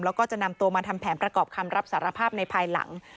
แล้วก็จะนำตัวมาทำแผนประกอบคำรับสารภาพในภายหลัง